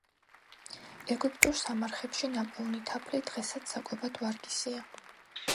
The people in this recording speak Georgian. ეგვიპტურ სამარხებში ნაპოვნი თაფლი დღესაც საკვებად ვარგისია.